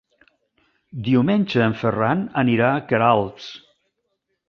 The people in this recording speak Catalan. Diumenge en Ferran anirà a Queralbs.